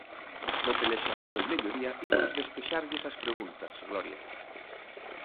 No Telexornal Mediodía imos despexarlles as preguntas, Gloria.